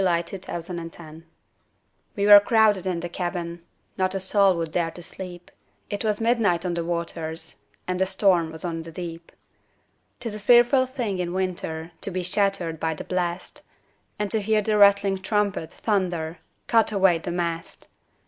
Y Z Ballad of the Tempest WE were crowded in the cabin, Not a soul would dare to sleep, It was midnight on the waters, And a storm was on the deep. 'Tis a fearful thing in winter To be shattered by the blast, And to hear the rattling trumpet Thunder, "Cut away the mast!"